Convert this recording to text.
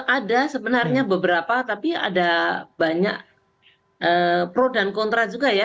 ada sebenarnya beberapa tapi ada banyak pro dan kontra juga ya